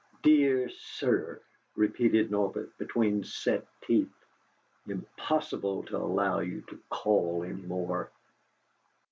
"'DEAR SIR'!" repeated Norbert, between set teeth. "'IMPOSSIBLE TO ALLOW YOU TO CALL any more'!"